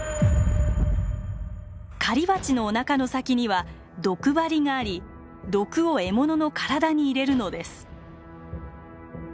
狩りバチのおなかの先には毒針があり毒を獲物の体に入れるのです。